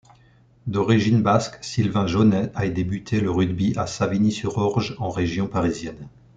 D’origine basque, Sylvain Jonnet a débuté le rugby à Savigny-sur-Orge en région parisienne.